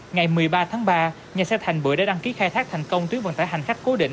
ngày một mươi ba tháng ba nhà xe thành bưởi đã đăng ký khai thác thành công tuyến vận tải hành khách cố định